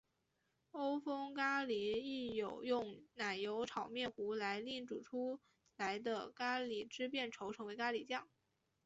欧风咖哩亦有用奶油炒面糊来令煮出来的咖喱汁变稠成为咖喱酱。